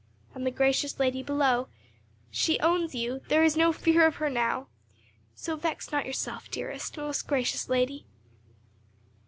And the gracious lady below—she owns you; there is no fear of her now; so vex not yourself, dearest, most gracious lady."